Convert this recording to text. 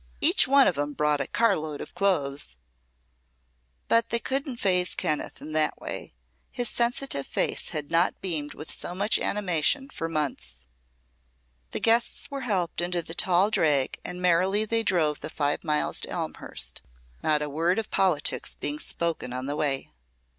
Each one of 'em brought a carload of clothes." But they couldn't phase Kenneth in that way. His sensitive face had not beamed with so much animation for months. The guests were helped into the tall drag and merrily they drove the five miles to Elmhurst, not a word of politics being spoken on the way.